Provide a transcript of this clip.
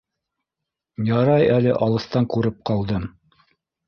Ярай әле алыҫтан күреп ҡалдым.